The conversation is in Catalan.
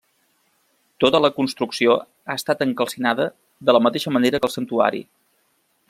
Tota la construcció ha estat encalcinada, de la mateixa manera que el santuari.